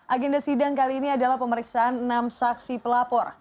agenda sidang kali ini adalah pemeriksaan enam saksi pelapor